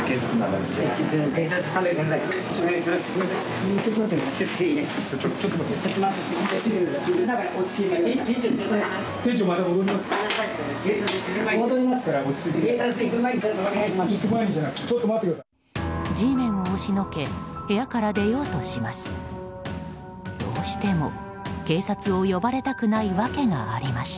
Ｇメンを押しのけ部屋から出ようとします。